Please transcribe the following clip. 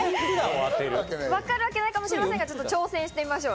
分かるわけないかもしれませんが挑戦してみましょう。